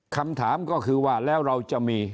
คำถามก็คือว่าแล้วเราจะมี